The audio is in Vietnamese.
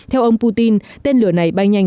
theo ông putin tên lửa này bay nhanh